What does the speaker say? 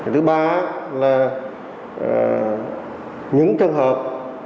thứ ba là những trường hợp